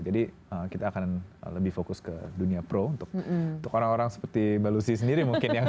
jadi kita akan lebih fokus ke dunia pro untuk orang orang seperti mba lucy sendiri mungkin yang